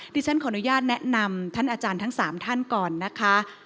ที่ฉันขออนุญาตแนะนำท่านอาจารย์ทั้ง๓ท่านก่อนนะคะ